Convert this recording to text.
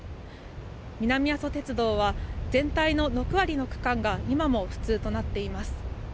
南阿蘇鉄道は、全体の６割の区間が今も不通となっています。